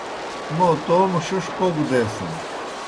مو توموْ ݜِݜ کوگوْ دیسِن۔